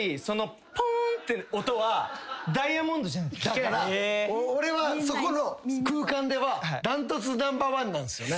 だから俺はそこの空間では断トツナンバーワンなんですよね。